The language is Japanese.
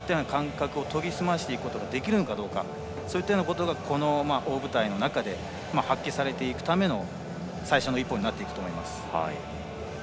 そういったような感覚を研ぎ澄ましていくことができるかそういったことが大舞台の中で発揮されていくための最初の一歩になっていくと思います。